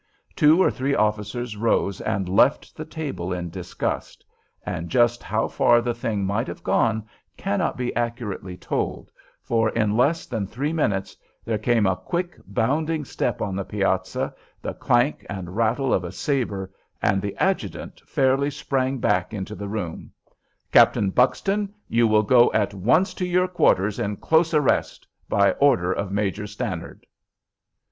Two or three officers rose and left the table in disgust, and just how far the thing might have gone cannot be accurately told, for in less than three minutes there came a quick, bounding step on the piazza, the clank and rattle of a sabre, and the adjutant fairly sprang back into the room: "Captain Buxton, you will go at once to your quarters in close arrest, by order of Major Stannard."